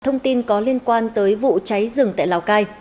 thông tin có liên quan tới vụ cháy rừng tại lào cai